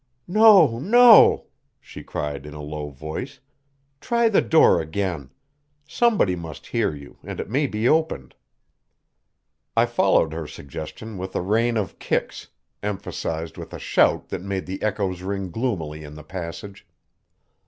"No, no," she cried in a low voice. "Try the door again. Somebody must hear you, and it may be opened." I followed her suggestion with a rain of kicks, emphasized with a shout that made the echoes ring gloomily in the passage.